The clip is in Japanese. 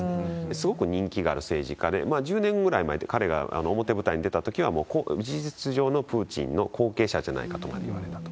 すごく人気がある政治家で、１０年ぐらい前、彼が表舞台に出たときは、もう事実上のプーチンの後継者じゃないかとまでいわれたと。